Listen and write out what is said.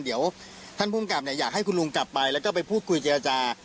เดี๋ยวท่านพุงกรรมเนี่ยอยากให้คุณลุงจับไปแล้วก็ไปพูดคุยกันอย่างประจา